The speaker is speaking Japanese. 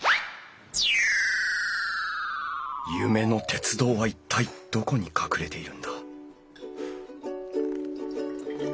夢の鉄道は一体どこに隠れているんだ！